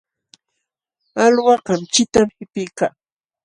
Alwa kamchitam qipiykaa.